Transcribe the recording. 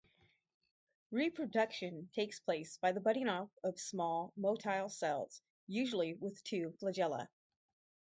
Reproduction takes place by the budding-off of small motile cells, usually with two flagella.